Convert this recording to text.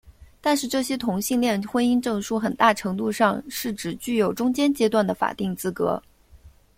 但是这些同性恋婚姻证书很大程度上是只具有中间阶段的法定资格。